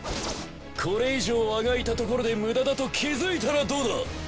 これ以上あがいたところで無駄だと気づいたらどうだ！